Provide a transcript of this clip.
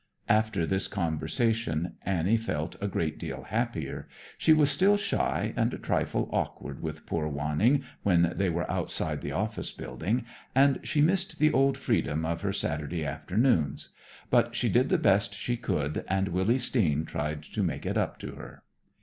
After this conversation Annie felt a great deal happier. She was still shy and a trifle awkward with poor Wanning when they were outside the office building, and she missed the old freedom of her Saturday afternoons. But she did the best she could, and Willy Steen tried to make it up to her.